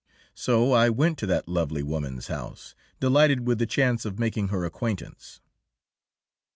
So I went to that lovely woman's house, delighted with the chance of making her acquaintance.